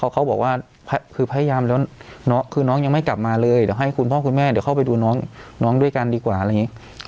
เขาบอกว่าคือพยายามแล้วคือน้องยังไม่กลับมาเลยเดี๋ยวให้คุณพ่อคุณแม่เดี๋ยวเข้าไปดูน้องด้วยกันดีกว่าอะไรอย่างนี้